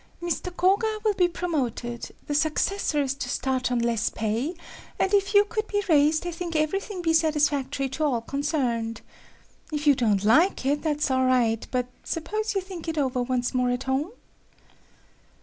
Mr. Koga will be promoted; the successor is to start on less pay, and if you could be raised, I think everything be satisfactory to all concerned. If you don't like it, that's all right, but suppose you think it over once more at home?"